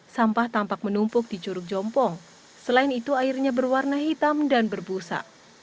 sampah tampak menumpuk di curug jompong selain itu airnya berwarna hitam dan berbusa